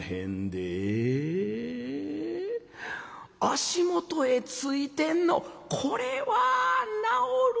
足元へついてんのこれは治る。